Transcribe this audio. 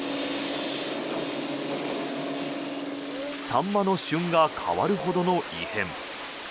サンマの旬が変わるほどの異変。